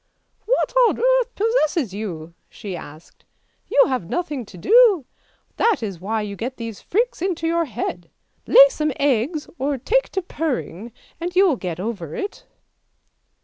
"What on earth possesses you? " she asked; "you have nothing to do, that is why you get these freaks into your head. Lay some eggs or take to purring, and you will get over it."